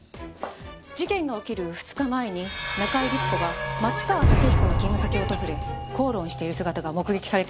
事件が起きる２日前に中井律子が松川竹彦の勤務先を訪れ口論している姿が目撃されていました。